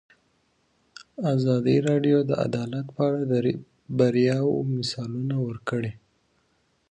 ازادي راډیو د عدالت په اړه د بریاوو مثالونه ورکړي.